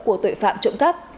của tội phạm trộm cắp